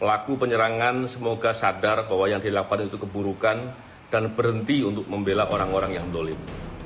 pelaku penyerangan semoga sadar bahwa yang dilakukan itu keburukan dan berhenti untuk membela orang orang yang dolim